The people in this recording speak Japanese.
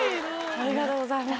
ありがとうございます。